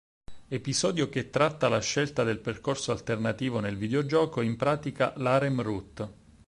Episodio che tratta la scelta del percorso alternativo nel videogioco, in pratica l'harem route.